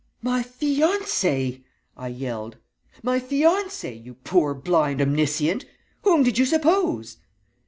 "'My fiancée!' I yelled. 'My fiancée, you poor blind omniscient! Whom did you suppose?'